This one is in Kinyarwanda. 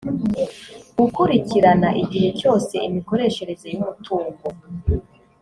gukurikirana igihe cyose imikoreshereze y’umutungo